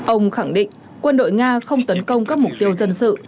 ông khẳng định quân đội nga không tấn công các mục tiêu dân sự